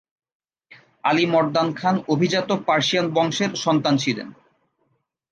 আলি মর্দান খান অভিজাত পার্সিয়ান বংশের সন্তান ছিলেন।